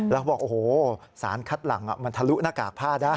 แล้วบอกโอ้โหสารคัดหลังมันทะลุหน้ากากผ้าได้